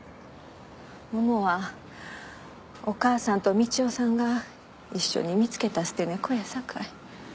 モモはお母さんと道夫さんが一緒に見つけた捨て猫やさかい。